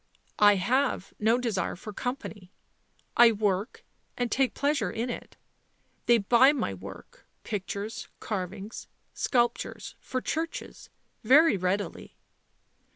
ct I have no desire for company. I work and take pleasure in it. They buy my work, pictures, carvings, sculptures for churches — very readily."